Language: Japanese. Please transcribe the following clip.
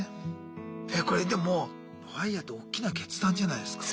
これでもＦＩＲＥっておっきな決断じゃないすか。